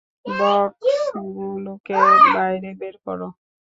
বক্সগুলোকে বাইরে বের কর।